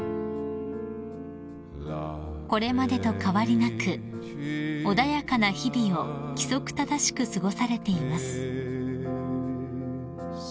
［これまでと変わりなく穏やかな日々を規則正しく過ごされています］